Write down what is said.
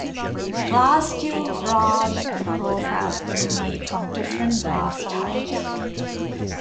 Glass tubes, rods and profiles can be made from different glass types.